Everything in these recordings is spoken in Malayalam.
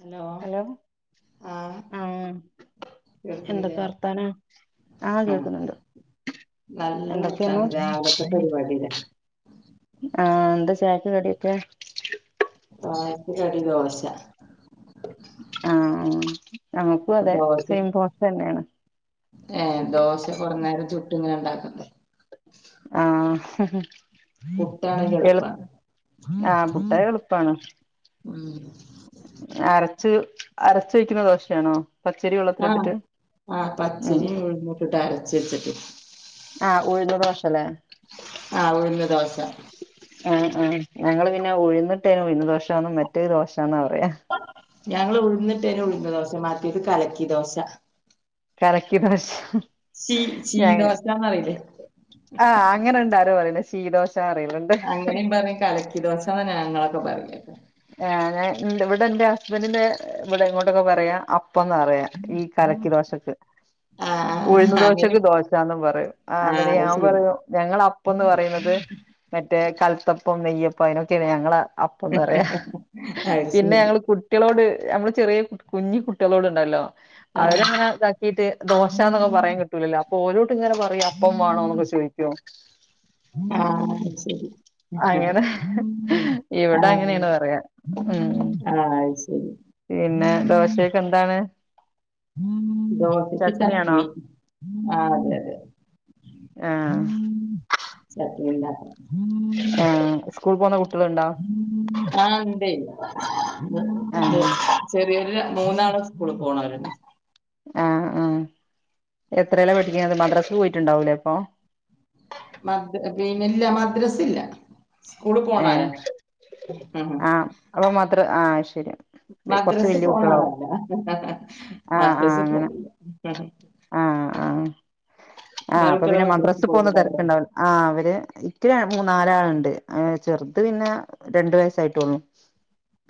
ഹലോ. ആഹ് ആഹ് കേൾക്കണില്ലേ എന്തൊക്കെ വർത്താനം? ആഹ് കേൾക്കുന്നുണ്ട്. നല്ല എന്തൊക്കെയാണ് വർത്താനം രാവിലെത്തെ പരിപാടീടെ. ആഹ് എന്താ ചായക്ക് കടിയൊക്കെ? ചായക്ക് കടി ദോശ. ആഹ് ഞമക്കു അപ്പൊ അതെ ദോശ സെയിം ദോശന്നെയാണ്. ഏഹ് ദോശ കുറേ നേരം ചുട്ടു ഇങ്ങനെ ഇണ്ടാക്കണ്ടേ? ആഹ്. എളു പുട്ടാണെങ്കിയെളുപ്പാ. ആഹ് ഉം പുട്ട് എളുപ്പാണ് അരച്ച് അരച്ച് വയ്ക്കണ ദോശയാണോ? പച്ചരി ആഹ് വെള്ളത്തിലിട്ടിട്ട് ആ ഉം പച്ചരി ഉഴുന്നിട്ടിട്ടരച്ചു വച്ചിട്ട്. ആഹ് ഉഴുന്നു ദോശല്ലേ? ആഹ് ഉഴുന്ന് ദോശ. ആഹ് ആഹ് ഞങ്ങള് പിന്നെ ഉഴുന്നിട്ടേ ഉഴുന്ന് ദോശാന്നും, മറ്റേത് ദോശാന്നാ പറയാ. ഞങ്ങൾ ഉഴുന്നിട്ടേന് ഉഴുന്ന് ദോശ, മാറ്റിയത് കലക്കി ദോശ. കലക്കിദോശ ശീ ശീ ദോശാന്നറീല്ലേ? ആഹ് അങ്ങനെ ഇണ്ടാരോ പറെയെല്. ശീദോശാ പറയിലിണ്ട്. അങ്ങനെയും പറയും. കലക്കി ദോശാന്ന ഞങ്ങളൊക്കെ പറയല്. ഏഹ് ഞ ഇവിടെ എന്റെ ഹസ്ബന്റിന്റെ ഇവിടെ ഇങ്ങോട്ടൊക്കെ പറയാ അപ് പ്പൊന്ന പറയാ ഈ കലക്കി ദോശക്ക്. ആഹ് ആഹ് ഉഴുന്ന് ദോശക്ക് അങ്ങനെയും ദോശാന്നും പറയും. ആഹ് അന്നേരേ അത് ഞാൻ ശരി പറയും ഞങ്ങളപ്പംന്ന് പറയുന്നത് മറ്റേ കൽത്തപ്പം നെയ്യപ്പം അയിനൊക്കെയാണ് ഞങ്ങള അപ്പംന്ന് പറയാ. അത് പിന്നെ ശരി ഞങ്ങള് കു കുട്ടിയളോട് ഞമ്മള് ചെറിയ കുഞ്ഞി കുട്ടിയളോട്ണ്ടല്ലോ ആഹ്. അവര്ങ്ങനതാ ഇട്ട് ദോശാന്നൊന്നും പറയാൻ കിട്ടൂലല്ലോ. അപ്പൊ ഓരോടിങ്ങനെ പറയും, അപ്പം വേണോന്നൊക്കെ ചോദിക്കും. ആഹ് അത്ശരി. അങ്ങനെ ഇവിടെ അങ്ങനെയാണ് പറയാ. മ്മ്, അത് ശരി. പിന്നെ ദോശയ്ക്കെന്താണ്? ദോശക്ക് ചട്നിയാണോ ചട്നി. ആഹ് അതെ അതെ. ആഹ് ചട്നി ഉണ്ടാക്കണം ആഹ് സ്കൂൾ പോന്ന കുട്ടിയളുണ്ടോ? ആഹ് ഇണ്ട്. ആഹ് ചെറിയോരു മൂന്നാള് സ്കൂള് പോണോരന്ന്യാ ആഹ് ആഹ് എത്രയല പഠിക്ക്ന്നത്? മദ്റസെൽ പോയിട്ടുണ്ടാവൂലേ ഇപ്പൊ? മദ് പിന്നില്ല മദ്റസില്ല. സ്കൂള് ഏഹ് പോണോരാ. ആഹ് അപ്പൊ മദ്റ ആഹ് അത്‌ശരി. മദ്റസ പോണാളല്ല. ആഹ് മദ്റസ ആഹ് അങ്ങനെ പോണില്ല. ആഹ് ആഹ് ആഹ് അപ്പൊ ഇങ്ങളൊക്കെ പിന്നെ മദ്രസേ മദ്റസ് പോന്ന പോയിട്ടുണ്ടാവുല്ലേ തിരക്കുണ്ടാവി ആഹ് അവര് ഇന്ക്കി ര മൂന്നാലാള്ണ്ട് അങ്ങനെ ചെറ്ത് പിന്നെ രണ്ട് വയസായിട്ടോള്ളു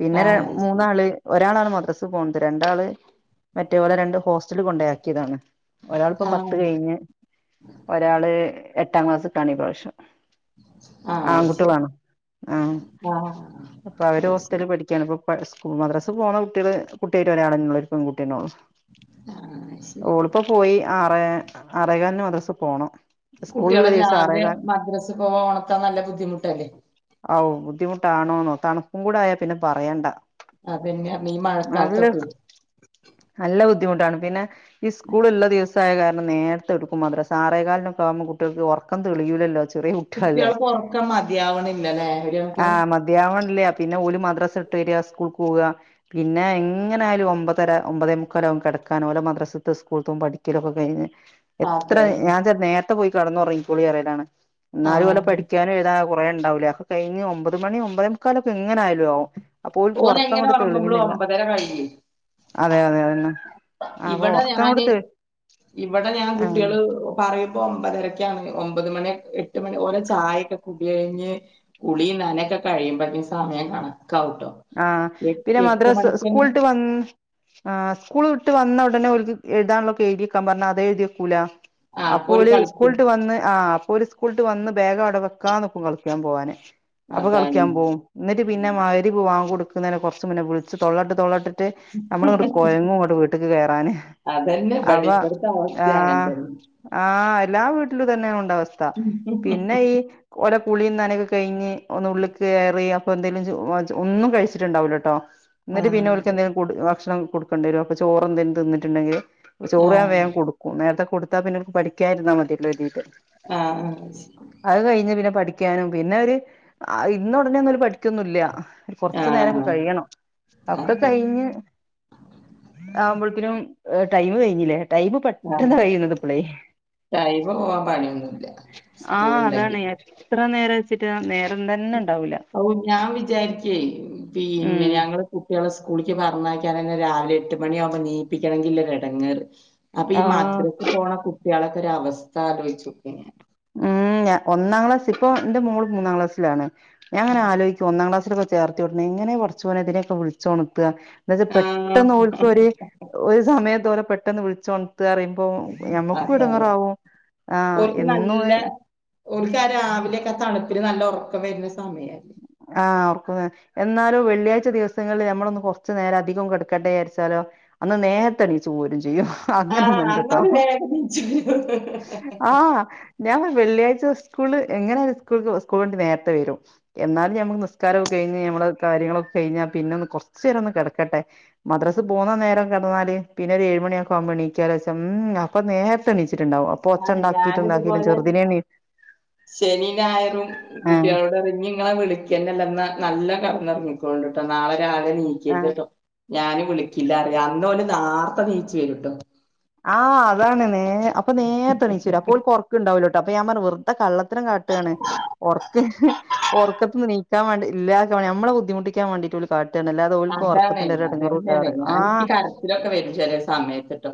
പിന്നെ ര ആഹ് മൂന്നാള് ഒരാളാണ് മദ്രസ് പോണ്ത് രണ്ടാള് മറ്റോലെ രണ്ടും ഹോസ്റ്റല് കൊണ്ടേയാക്കിയതാണ് ഒരാള്പ്പോ പത്ത് കഴിഞ്ഞ് ഒരാള് എട്ടാ ക്ലാസ്ക്കാണ് ഈ പ്രാവശ്യം അത് ശരി ആൺകുട്ട്യളാണ് ആഹ് ആഹ് അപ്പോ ആഹ് അത് ശരി ആഹ് അവര് അത് ഹോസ്റ്റല് ശരി പഠി ക്ക്യാണ് ഇപ്പോ പ സ്കൂ മദ്രസ് പോണ കുട്ട്യെള് കുട്ട്യായിട്ട് ഒരാളന്നൊള്ളു ഒരു പെൺകുട്ട്യന്നെള്ളു ആഹ് അത് ശരി ഓള്പ്പം പോയി ആറേ ആറേ കാലിന് മദ്രസ് പോണം സ്കൂളുള്ള കുട്ടിയളെ ദിവസം രാവിലെ ആറേകാൽ മദ്രസ് പോവാ ഒണർത്താൻ നല്ല ബുദ്ധിമുട്ടല്ലേ? ഔഹ് ബുദ്ധിമുട്ടാണോന്നോ തണുപ്പും കൂടെ ആയാ പിന്നെ പറയണ്ട അതന്നെ മീ നല്ല മഴക്കാലത്തൊക്കെ നല്ല ബുദ്ധിമുട്ടാണ് പിന്നെ സ് കൂള് ഇള്ളെ ദിവസായ കാരണം നേരത്തെ എടുക്കും മദ്രസ്സാ ആറെ കാലിനൊക്കാവുമ്പോ കുട്ടിയൾക്ക് ഒറക്കം തെളിയൂല്ലല്ലോ ചെറിയ കുട്ടികളല്ലേ കുട്ടിയള്ക്ക് ഒറക്കം മതിയാവ്ണില്ലല്ലേ ഒര് കണ്ക്കിന് തിയാവണ്ല്ലാ പിന്നെ ഓല് മദ്രസ് വിട്ടര്യാ സ്കൂൾക്ക് പോവാ പിന്നെ എങ്ങനെ ആയാലും ഒമ്പതര ഒമ്പതേ മുക്കാലാവും കെടക്കാന് ഓലെ മദ്രസ് ത്തെ സ്കൂള്ത്തും പഠിക്ക്യലൊക്കെ കഴിഞ്ഞ് എത്രെ അതന്നെ ഞാൻ ചെല് നേര ത്തെ പോയി കെടന്ന് ഒറങ്ങിക്കോളിയറിയലാണ് എന്നാലും ഓലെ ആഹ് പഠിക്കാനും എഴുതാ കൊറെ ഇണ്ടാവുല്ലേ കഴിഞ്ഞ് ഒമ്പത് മണി ഒമ്പത് മുക്കാലൊക്കെ എങ്ങനെ ആയാലും ആവും അപ്പോ ഓല്ക്ക് ഓനെങ്ങനെ ഒറക്കങ്ങട്ട് ഒറങ്ങുമ്പളും തെളിയുന്നില്ല ഒമ്പതര കഴിയും അതെ അതെ അതന്നെ അപ്പോ ഇവിടെ ഒർ ഞാന് ഇവടെ ഞാൻ ആഹ് കുട്ടിയള് ഓഹ് പറയിമ്പോ ഒമ്പതരക്ക്യാണ് ഒമ്പത് മണി എട്ട് മണി ഓരോ ചായക്കെ കുടി കഴിഞ്ഞ് കുളിയും നനയൊക്കെ കഴിയുമ്പോത്തിന് സമയം കണക്കാവുട്ടോ ആഹ് പിന്നെ മദ്രസ് സ്കൂള് വിട്ട് വ ആഹ് സ്കൂള് വിട്ട് വന്ന ഉടനെ ഓല്ത് എഴ്താന്ള്ളൊക്കെ എഴ്തിയക്കാം പറഞ്ഞാ അത് എഴുതി വെക്കൂലാ ആ അപ്പോ അപ്പോല് ഓല് കളിക്കും സ്കൂള്ട്ട് വന്ന് ആഹ് അപ്പോ ഓല് കൂള്ട്ട് വന്ന് ബാഗ് അവടെ വെക്കാന്ന്ക്കും കളിക്ക്യാൻ പോവാന് അപ്പൊ അതാണ് കളിക്ക്യാൻ പോവും എന്നിട്ട് പിന്നെ മയി രിബ് വാങ്ക് കൊടുക്കുന്നേനെ കൊറച്ച് വിളിച്ച് തൊള്ളട്ട് തൊള്ളട്ട് ട്ട് അമ്മള് ഇങ്ങട്ട് കൊഴങ്ങും ഇങ്ങട്ട് വീട്ട്ക്ക് കേറാന് അതെന്നെ അവ ഇബടിം ഇബെട്ത്തെ അവസ്ഥിം ആഹ് അങ്ങതന്നെ ആഹ് എല്ലാ വീട്ടിലും ഇതന്നെ ഉണ്ടാവാ അവസ്ഥ പിന്നെ ഈ ഓലെ കുളിം നനക്കെ കഴിഞ്ഞ് ഒന്ന് ഉള്ള്ക്ക് കേറി അപ്പൊ എന്തേലും ചു [unintelligible] ഒന്നും കഴിച്ചിട്ട് ഇണ്ടാവൂല്ലട്ടോ ആ ഇന്നിട്ട് പിന്നെ അതെ ഓല്ക്കെന്തേലും ഫുഡ് ഭക്ഷണം കൊടുക്കെണ്ടി വരും അപ്പൊ ചോറ് എന്തേലും തിന്നിട്ട്ണ്ടെങ്കില് ആ ചോറ് ഞാൻ വേം കൊടു ഉം നേരത്തെ കൊടുത്താ പിന്നെ ഓൽക്ക് പഠിക്ക്യാര്ന്നാ മതിയല്ലോ കെര്തീട്ട് ആഹ് അഹ് കഴിഞ്ഞ് പിന്നെ പഠിക്ക്യാനും പിന്നെ ഓര് ആ ഇര്ന്ന ഉടനെയൊന്നും ഓല് പഠിക്ക്യൊന്നുല്ല ആ കൊറച്ച് നേരൊക്കെ കഴിയണം ഒക്കെ അതെ കഴിഞ്ഞ് ആവുമ്പോഴ്ത്തിനും ഏഹ് ടൈമ് കഴിഞ്ഞില്ലേ ടൈമ് ആ പെട്ടെന്ന് കഴിയുന്നുണ്ട് ഇപ്പളേ ടൈമ് പോവാൻ പണിയൊന്നുല്ല സ്കൂള് ആഹ് ഇണ്ടെങ്കി അതാണ് എത്ര നേരം വെച്ചിട്ടാ നേരം തന്നെ ഇണ്ടാവുല്ല ഓഹ് ഞാൻ വിചാരിച്ചെ ഉം പിന്നെ ഞങ്ങള് കുട്ടിയളെ സ്കൂളിക്ക് പറഞ്ഞയക്ക്യാനൊക്കെ രാവിലെ എട്ട് മണിയാവുമ്പോ എന്നീപ്പിക്കണെങ്കില്ലെ എടങ്ങേറ് അപ്പ ഈ ആഹ് മദ്രസ് പോണ കുട്ട്യാളക്കെ ഒരു അവസ്ഥാ ആലോയിച്ചോക്കെ ഞാൻ ഉം ഞ ഒന്നാം ക്ലാസ് ഇപ്പോ ഇന്റെ മോൾ മൂന്നാം ക്ലാസിലാണ് ഞാൻ ഇങ്ങനെ ഉം. ആലോയിച്ചും ഒന്നാം ക്ലാസ്സിലൊക്കെ ചേർത്തിയോ [unintelligible] എങ്ങനെ പട്ച്ചോനെ ഇതിനൊക്കെ വിളിച്ച്ഒണത്ത എന്നാവെച്ചാ ആഹ്. പെട്ടെന്ന് ഓൽക്കൊര് ഒരു സമയത്തോലെ പെട്ടെന്ന് വിളിച്ച് ഒൺത്ത പറയുമ്പോ ഞമ്മക്കു അതാണ്. എടങ്ങറാവും ആഹ് എന്നും ഓൽക്കാ രാവിലെയൊക്കെ തണുപ്പിന് നല്ല ഉറക്കം വരുന്ന സമയല്ലേ ആഹ് അവർക്ക എന്നാലും വെള്ളിയാഴ്ച ദിവസങ്ങളിൽ നമ്മളൊന്ന് കൊറച്ചു നേരം അധികം കെട്ക്കട്ടെ വിചാരിച്ചാലോ അന്ന് നേത്തെണീച്ച് പോരും ചെയ്യും അങ്ങനെ ആഹ് ഒന്നുണ്ട് അങ്ങരു ട്ടോ [unintelligible] ആഹ് ഞാൻ വെള്ളിയാഴ്ച സ്കൂള് എങ്ങനെ ഒരു സ്കൂ സ്കൂൾ വണ്ടി നേരത്തെ വരും എന്നാ ഞമുക്ക് നിസ്കാരൊക്ക കഴിഞ്ഞ് നമ്മള് കാര്യങ്ങളൊക്കെ കഴിഞ്ഞാ പിന്നൊന്ന് കൊർചേര ഒന്ന് കെട്ക്കട്ടെ മദ്രസ് പോകുന്ന നേരം കടന്നാല് പിന്നെ ഒരു ഏഴ് മണി ഒക്ക ആകുമ്പോണീറ്റാലേച്ച ഉം അപ്പൊ നേരത്തെ എണീച്ചിട്ടുണ്ടാവും അപ്പൊ ഒച്ച ആഹ് ഉണ്ടാക്കിട്ടും ഞാനിത് ഇണ്ടാക്കിട്ടും പോലെ ചെറുതിനെ എണീ ശനി നായറും ആഹ് കുട്ടിയാളോടറി നി ഇങ്ങളെ വിളി ക്കന്നല്ല നല്ലൊ കട്ന്നൊർങ്ങിക്കോണ്ടി ട്ടോ നാളെ രാവിലെ ആഹ് നീക്കര്ത് ട്ടോ ഞാന് വിളിക്കില്ല അറി അന്നോല് നാർത്തെ നീച്ചു വരൂട്ടോ ആഹ് അതാണ് നേ അപ്പം നേരത്തെണീച്ചൂ വരും അപ്പോ ഓൽക്ക് ഒർക്ക്ണ്ടാവൂല ട്ടോ അപ്പം ഞാൻ പർഞ്ഞ് വെറ് കള്ളത്തരം കാട്ടാണ് ഉറക്ക് ഉറക്കത്ത്ന്ന് നീക്കാൻ വേണ്ടി ഇല്ലാക്കാൻ വേണ്ടി നമ്മളെ ബുദ്ധിമുട്ടിക്കാൻ വേണ്ടിയിട്ട് ഓല് കാട്ടാണ്ല്ലാ അത് ഓൽക്ക് അതാണ് ഒർക്കത്തിന്റെ ഒരു എടങ്ങറൂല്ലാ പറയും ആഹ് ഇതൊക്കെ വ [unintelligible] ചെലെ സമയത്ത്ട്ടോ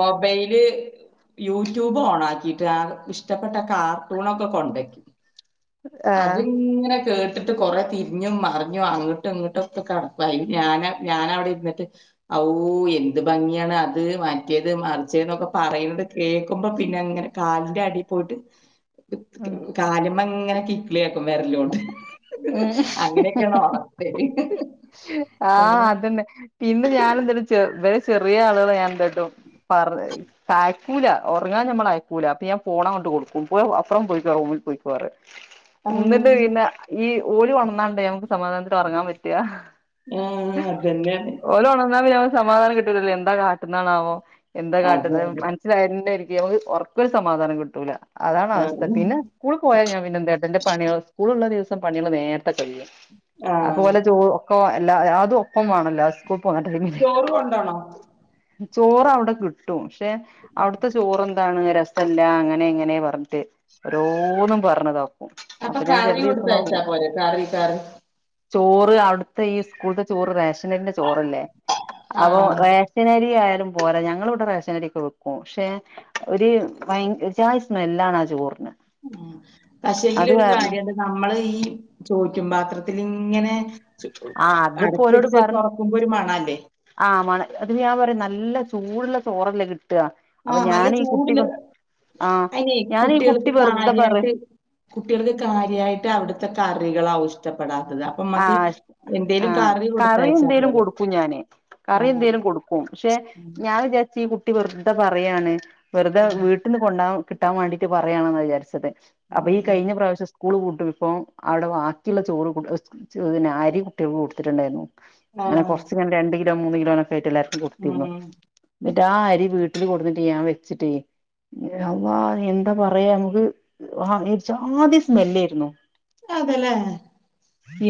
മൊബൈല് യൂട്യൂബ് ഓൺ ആക്കിട്ട് ആ ഇഷ്ടപ്പെട്ട കാർട്ടൂണൊക്കെ കൊണ്ടക്കും ആഹ് അത്ങ്ങനെ കേട്ടിട്ട് കൊറെ തിരിഞ്ഞും മറിഞ്ഞു അങ്ങട്ടും ഇങ്ങട്ടും കട്പ്പായി ഞാൻ ഞാനവിടെ ഇരി ന്നിട്ട് ഔ എന്ത് ഭംഗിയാണ് അത് മറ്റേത് മറിച്ച എന്നൊക്കെ പറയ്ണത് കേക്കുമ്പോ പിന്നെ അങ്ങനെ കാലിന്റെ അടിയിൽ പോയിട്ട് ഉം കാലിമ്മങ്ങനെ കിക്ളിയാ ആക്കും വെരലോണ്ട് ഉം അങ്ങനെയൊക്കെയാണ് ഉണർത്തല് ആഹ് അതന്നെ പിന്നെ ഞനെന്തട്ട ചെ വറെ ചെറിയ ആളുക ഞാൻ എന്താ ട്ടും [unintelligible] ക്കൂല ഒറങ്ങാൻ നമ്മള അയക്കൂല അപ്പൊ ഞാൻ പോണങ്ങട്ട് കൊടുക്കും പോയി അപ്പറം പൊയിക്കോ റൂമിൽ പോയിക്കോ അറിം ഇന്ന് ആഹ് പിന്നെ ഈ ഓല് കൊണ്ന്നാണ്ട ഞമക്ക് സമാധാനത്തിൽ ഒറങ്ങാൻ പറ്റാ ആഹ് അതന്നെയാണ് ഓല് ഒണന്നാ പിന്നെ ഞമക്ക് സമാധാനം കിട്ടൂലല്ലോ എന്താ കാട്ടണതാവോ എന്താ അതെ കാട്ടുന്നത് അതെ [unintelligible] [unintelligible] നമക്ക് ഉറക്കൊരു സമാധാനം കിട്ടൂല അതാണ് അവസ്ഥ ആഹ് പിന്നെ സ്കൂള് പോയാൽ ഞാ പിന്നെന്താട്ടും ന്റെ പണികൾ സ്കൂളുള്ള ദിവസം പണികൾ വേ [unintelligible] ആഹ് അതുപോലെ ചോ ഒക്കെ എല്ല അതും ഒപ്പം വേണല്ലോ [unintelligible] ടൈമില് ചോറ് കൊണ്ടോണോ ചോറ് അവ്ടെ കിട്ടും പക്ഷെ അവിട്ത്തെ ചോറെന്താണ് രസല്ല അങ്ങനെ ഇങ്ങനെ പർഞ്ഞിട്ട് ഓരോന്നും പർഞ്ഞ്താക്കും അപ്പൊ ഞാൻ [unintelligible] തേച്ചാ പോരെ താട വീക്ക [unintelligible] ചോറ് അവിട്ത്തെ ഈ സ്കൂൾത്തെ ചോറ് റേഷനന്റെ ചോറല്ലേ അപ്പൊ ആഹ് റേ ഷനരി ആയാലും പോര ഞങ്ങൾ ഇവിടെറേശനരി ഒക്കെ വെക്കും പക്ഷെ ഒരു ഭയ ജായ് സ്മെല്ലാണ് ആ ചോറിന് ഉം അത് പക്ഷെങ്കിലും ഒരു കാരണം കാര്യാണ് നമ്മള് ഈ ചോറ്റും പാത്രത്തിൽ ഇങ്ങനെ ആ അടച്ച് വച്ച് തുറക്കുമ്പോ ഒരു മണ അല്ലേ ആഹ് മണം അത് ഞാൻ പറയ നല്ല ചൂടുള്ള ചോറല്ലേ കിട്ടാ- ആഹ് നല്ല ചൂട്ള്ള അയിനേ ഞാൻ ഈ കുട്ടികൾക്ക് കുട്ടി വെറുതെ പറ കാര്യായിട്ട് കുട്ടികൾക്ക് കാര്യായിട്ട് അവിടുത്തെ കറികൾ ആവും ഷ് ഷ്ടപ്പെടാത്തത് അപ്പൊ മ്മക്ക് ആഹ് എന്തേലും ആഹ് കറി കൊടുത്തയച്ചാ എന്തേലും പോരെ കൊടുക്കും ഞാന് ആ കറി എന്തേലും കൊടുക്കും പക്ഷെ ഉം, ഞാൻ വിചാരിച്ചി ഈ കു ട്ടി വെറുതെ പറയാണ് വെറുതെ ഉം, വീട്ടിൽ നിന്ന് കൊണ്ടാവാ കിട്ടാൻ മാണ്ടിട്ട് പറയാണന്ന വിചാരിച്ചത് അപ്പൊ ഉം, ഈ ഉം. കഴിഞ്ഞ പ്രാവശ്യം സ്കൂള് പൂട്ടും ഇപ്പൊ അവിടെ ബാക്കിയുള്ള ചോറ് കുടു സ് ചന്നെ അരി കുട്ടികൾ കൊടുത്തിട്ടുണ്ടായിരുന്നു ആ, അങ്ങനെ കൊറച്ച് ഇങ്ങനെ രണ്ട് കിലോ മൂന്ന് കിലോനൊക്കെ ആയിട്ട എല്ലർ കൊടുത്തിരുന്നു ഉം. എന്നിട്ട് ആ അരി വീട്ടില് കൊടുത്തിട്ട്ഞാൻ വെച്ചിട്ടേ അല്ലാഹ് എന്താ പറയാ നമുക്ക് ഒരുഅ ജാതി സ്മെല്ലെരുന്നു അതലേ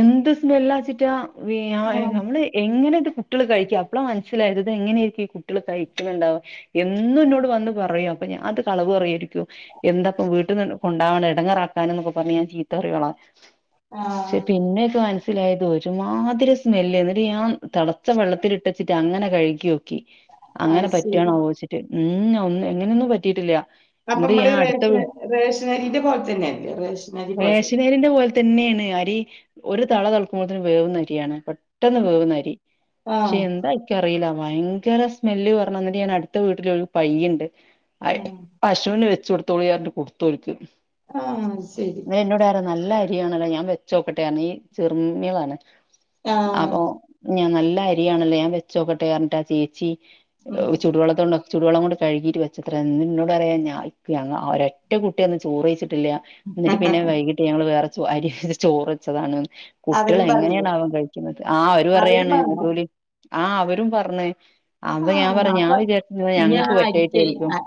എന്ത് സ്മെല്ലാച്ചിട്ടാ വി അ ഉം. നമ്മള് എങ്ങനെ ഇത് കു കുട്ടികൾ കഴിക്കഅപ്പള മനസ്സിലായത് ഇത് എങ്ങനെയിരിക്കും ഈ കുട്ടികൾ കഴിക്കുന്നുണ്ടാവ എന്നും എന്നോട് വന്ന് പറയും അപ്പൊഞാന് അത് കളവ് പറയിരിക്കും എന്താപ്പ വീട്ടിൽ നിന്ന് കൊണ്ടാവാണ് ഇടങ്ങറാക്കാൻ എന്നൊക്കെ പറഞ്ഞ് ഞാ ചീത്തറിയോളേ ആഹ്. ക്ഷ് പിന്നെക്ക് മനസ്സിലായത് ഒരുമാതിരി സ്മെല്ല് എന്നിട്ട് ഞാൻ തെളച്ച വെള്ളത്തിലി ട്ടച്ചിട്ട് അങ്ങനെ കഴിക്കു- ക്കി അത് അങ്ങനെ ശരി പറ്റുവണോയിച്ചിട്ട് ഉം ഒന്നും എങ്ങനെയൊന്നും പറ്റിട്ടില്ല. അപ്പൊ നമ്മള്ഈ റേഷന റേഷനരിന്റെ പോലെ തന്നെയല്ലേ റേഷനരി പോലെ ത്തേ റേഷനരിന്റെ പോലെ തന്നെയാണ് അരി ഒരു തള തളക്കുമ്പോതേന് വേവുന്ന അരിയാണ് പെ പെട്ടെന്ന് വേവുന്നരി പക്ഷെ ആഹ് എന്താ ക്കറില്ല ഭയങ്കര സ്മെല്ല് പറന എന്നിട്ട് ഞാൻ അടുത്ത വീട്ടിലൊരു പയ്യ്ണ്ട് അയി ആഹ് പശുന് വെച്ച് കൊടുത്തോളിറിഞ്ഞിട്ട് കൊടുത്തോൽക്ക്. ആഹ് ശരി ന്നേര് എന്നോട്റെയ നല്ലാരി രിണല്ലോ ഞാൻ വെച്ചോക്കട്ടൊണ് ഈ ചെറുമ്യളാണ് ആഹ് അപ്പൊ ഞാൻ നല്ല അരിയാണല്ലോ ഞാൻ വെച്ചോക്കെട്ടെറിഞ്ഞിട്ട് ആ ചേച്ചി ഉം ചുടുവെള്ളത്തൊണ്ട- ചൂടുവെള്ളം കൊണ്ട് കഴുകിട്ട് വെച്ചത്രന്ന്ന്നോട് പറിയ ഞ ഒറ്റ കുട്ടിയന്ന് ചോറ് കയിച്ചിട്ടില്ല. എന്നിട്ട് പിന്നെ വൈകിട്ട് ഞങ്ങള് വേറെ അരി ചോറ് വച്ചതാണ്ന്ന് കുട്ടികൾ അവരും പറയേ എങ്ങനെയാണ് ആവം കഴിക്ക്‌ണത് ആ അവര് അവരും പറഞ്ഞോ പറയാണ്ഓലി ആഹ് അവരും പറഞ് അപ്പ ഞാൻ ആഹ് പറയ ഞാൻ അപ്പൊ വിചാരിച്ച ഞാൻ ഞങ്ങൾക്ക് പറ്റായിട്ട അരിക്കേ ആയിരിക്കും. ആ,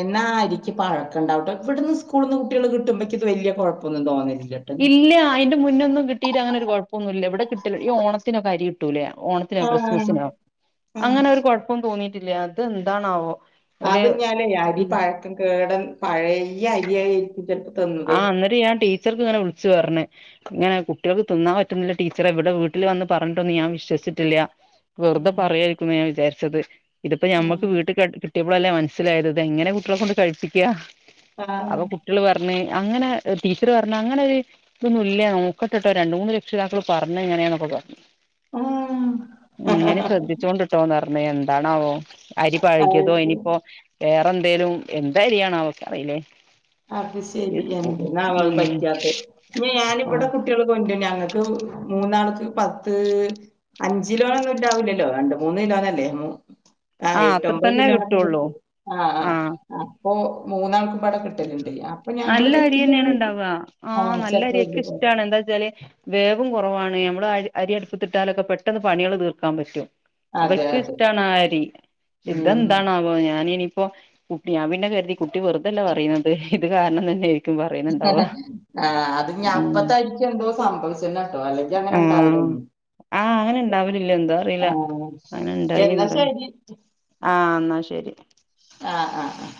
എന്നാ ആ അരിക് പഴക്കണ്ടാവുട്ടോ ഇവിടുന്ന് സ്കൂൾ നിന്ന് കുട്ടികള് കിട്ടുമ്പോക്ക് ഇത് വലിയ കുഴപ്പൊന്നും തോന്നലില്ല. ഇല്ല അയിന്റെ മുന്നൊ ഒന്നും കിട്ടിട്ട് അങ്ങന ഒരു കുഴപ്പൊന്നുല്ല ഇവിടെ കിട്ടല്ല ഈ ഓണത്തിനൊക്ക അരി കിട്ടൂലേ ഓണ ത്തിനോ ആഹ് ക്രിസ്മസിനോ ആഹ് അങ്ങനെ ഒരു കുഴപ്പം തോന്നിയിട്ടില്ല അത് എന്താണാവോ? ഒരു അത് ഞാലേ അരി പഴക്കം കേടൻ പഴയ അരിയായിയിരിക്കും ചിലപ്പോ തന്നു ആഹ് എന്നേട്ട് ഞാ ടീച്ചർക്ക് ഇങ്ങനെ വിളിച്ചു പറഞ്ഞ് ഇങ്ങനെ കുട്ടികൾക്ക് തിന്നാൻ പറ്റുന്നില്ല ടീച്ചറെ ഇവിടെ വീട്ടിൽ വന്ന് പറഞ്ഞിട്ടൊന്ന് ഞാൻ വിശ്വസിച്ചട്ടില്ല വെറുതെ ഉം പറയമായിരിക്കുന്ന ഞാൻ വിചാരിച്ചത് ഇതിപ്പോ ഉം ഞമ്മക്ക് വീട്ടിൽ കി കിട്ടിയപ്പളല്ലേ മനസ്സിലായത് ഇത് എങ്ങനെ കുട്ടികളെ കൊണ്ട് കഴിപ്പിക്ക ആഹ് അപ്പൊ കുട്ടികൾ പ റഞ്ഞ് അങ്ങനെ ടീച്ചറ് പറഞ്ഞ അങ്ങനെ ഒരു ഇതൊന്നുല്ല നോക്കട്ടെട്ടോ രണ്ട് മൂന്ന് രക്ഷിതാക്കള് പറഞ്ഞ എങ്ങനെയാന്നൊക്കെ പറഞ്ഞു. ഉം ആഹ് ഇഞെ ശ്രദ്ധിച്ചോണ്ട്ട്ടോന്ന് പറഞ്ഞ എന്താണാവോ? അരി അത് പഴകിയതോ ശരി ഇനിയിപ്പോ വേറെ എന്തേലും എന്ത അരിയാണോ ക്ക് അറിയില്ലേ അത് ശരി എന്ത നാ ഉം പറ്റാത്ത ഇ ഞാനിവിടെ ആഹ് കൂട്ട് ട്ടിയള്കൊണ്ട ഞങ്ങൾക്ക് മൂന്നാൾക്ക് പത്ത് അഞ്ചിലോന ഒന്നും ഉണ്ടാവുല്ലല്ലോ രണ്ട മൂന്ന് കിലോന്നല്ലേ,, ആഹ് അത്ര എട്ട്ഒമ്പത് തന്നെ കിലോനൊക്കെ കിട്ടുള്ളൂ കിട്ടും ആഹ് ആഹ് അപ്പൊ മൂന്നാൾക്ക് പട കിട്ടലുണ്ടില്ല നല്ല അരി തന്നെയാണ് ഉണ്ടാവു ആഹ് നല്ല ചെലപ്പോ വലിയ അരിൊക്കെ ഇഷ്ടാണ് കുഴപ്പം എന്താ വച്ചാല്,, വേവും കുറവാണ് നമ്മള് അരി അരി അടുപ്പ്ത്തിട്ടാലൊക്കെ പെട്ടെന്ന് പണികൾ തീർക്കാൻ പറ്റും അതെ അവർക്ക്‌ അതെ ഇഷ്ടണ ആ ആരി ഇത ഉം എന്താണോ ഞാന ഇനിപ്പോ കുട്ടി ഞാൻ പിന്ന കരുതി കുട്ടി വെറുതല്ല പറയുന്നത് ഇത് കാരണം തന്നൊയിക്കും ആഹ് അത് ഞാ ഉം അപ്പത്തായിരിക്കും യെന്തോ സംഭവിച്ചന്ന കേട്ടോ അല്ലെ.. അങ്ങനെ ആഹ് ഉണ്ടാവില്ലന്ന് ആഹ് അങ്ങനെ ഇണ്ടാവലില്ല എന്താ അറിയില്ല അങ്ങനെ എന്നാ ഇണ്ടായിന്ന്റ,, ശരി ആഹ എന്നാ ശരി ആഹ് ആഹ് ആഹ്